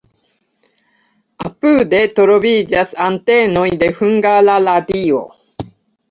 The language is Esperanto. Apude troviĝas antenoj de Hungara Radio.